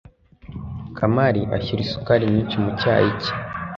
kamari ashyira isukari nyinshi mu cyayi cye